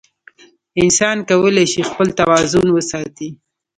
انسان کولی شي خپل توازن وساتي.